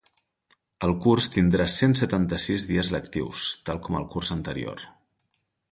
El curs tindrà cent setanta-sis dies lectius, tal com el curs anterior.